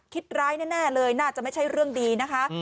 ร้ายแน่เลยน่าจะไม่ใช่เรื่องดีนะคะ